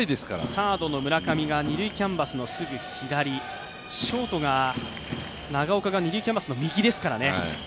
サードの村上が二塁キャンバスのすぐ左、ショート・長岡が二塁キャンバスの右ですからね。